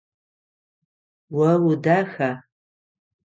О удаха?